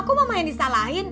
kok mama yang disalahin